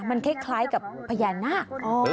มันคล้ายกับพญานาค